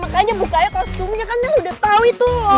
makanya bukanya kostumnya kan lo udah tau itu loh